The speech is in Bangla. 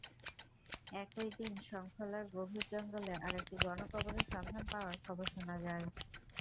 একই দিন শংখলার গভীর জঙ্গলে আরেকটি গণকবরের সন্ধান পাওয়ার খবর শোনা যায়।